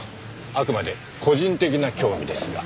あくまで個人的な興味ですが。